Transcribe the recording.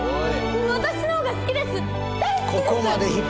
私の方が好きです大好きです！